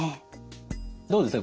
どうですか？